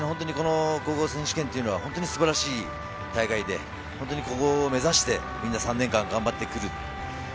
この高校選手権というのは本当に素晴らしい大会で、ここを目指してみんな３年間頑張ってくる。